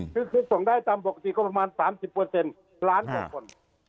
คือส่งได้ปกติก็ประมาณ๓๐เปอร์เซ็นต์ล้านกว่าคน